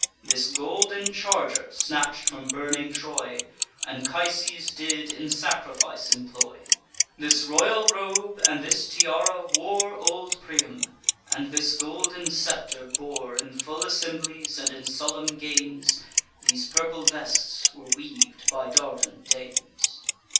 This golden charger, snatch'd from burning Troy, Anchises did in sacrifice employ; This royal robe and this tiara wore Old Priam, and this golden scepter bore In full assemblies, and in solemn games; These purple vests were weav'd by Dardan dames."